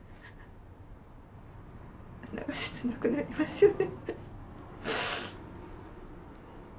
なんか切なくなりますよね。